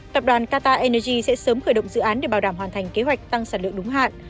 tập đoàn qatar energy sẽ sớm khởi động dự án để bảo đảm hoàn thành kế hoạch tăng sản lượng đúng hạn